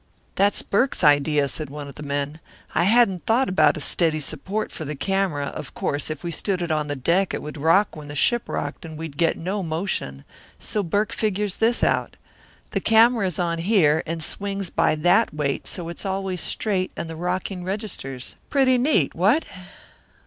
"That's Burke's idea," said one of the men. "I hadn't thought about a steady support for the camera; of course if we stood it on deck it would rock when the ship rocked and we'd get no motion. So Burke figures this out. The camera is on here and swings by that weight so it's always straight and the rocking registers. Pretty neat, what?"